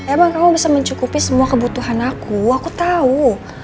emang kamu bisa mencukupi semua kebutuhan aku aku tahu